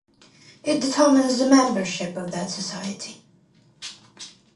It determines the membership of that society.